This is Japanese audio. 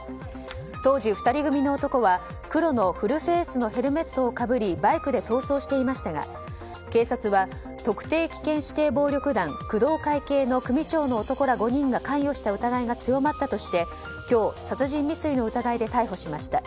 当時、２人組の男は黒のフルフェースのヘルメットをかぶりバイクで逃走していましたが警察は、特定危険指定暴力団工藤会系の組長の男ら５人が関与した疑いが強まったとして今日、殺人未遂の疑いで逮捕しました。